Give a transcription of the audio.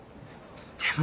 でも。